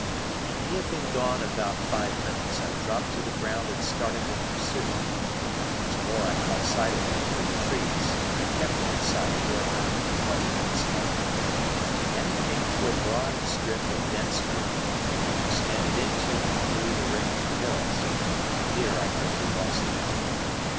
When he had been gone about five minutes, I dropped to the ground and started in pursuit; once more I caught sight of him through the trees, and I kept him in sight for about twenty minutes longer; then he came to a broad strip of dense wood which extended into and through the range of hills, and here I quickly lost him.